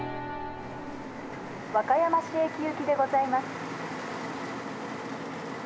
和歌山市駅行きでございます。